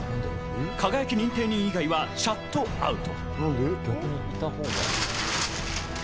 輝認定人以外はシャットアウト。